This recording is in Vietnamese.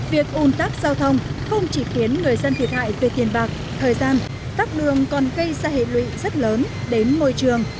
việc ủn tắc giao thông không chỉ khiến người dân thiệt hại về tiền bạc thời gian tắt đường còn gây ra hệ lụy rất lớn đến môi trường